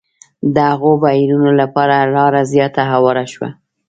د هغو بهیرونو لپاره لاره زیاته هواره شوه.